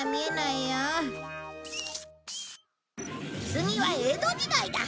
次は江戸時代だ。